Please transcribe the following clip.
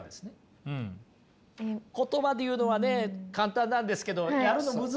言葉で言うのはね簡単なんですけど先生